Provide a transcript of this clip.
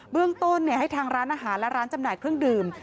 เรื่องต้นให้ทางร้านอาหารและร้านจำหน่ายเครื่องดื่ม